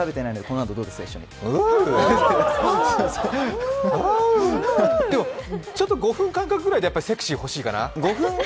でも、ちょっと５分間隔くらいでセクシー欲しいかな。